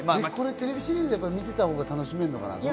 テレビシリーズを見てたほうが楽しめるのかな？